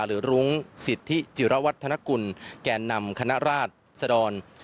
หรือรุ้งสิทธิจิรวรรดิธนกุลแก่นำคณะราชสะดอน